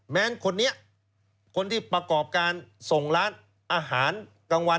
คนนี้คนที่ประกอบการส่งร้านอาหารกลางวัน